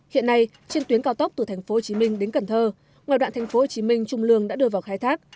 hiện nay trên tuyến cao tốc từ tp hcm đến cần thơ ngoài đoạn tp hcm trung lương đã đưa vào khai thác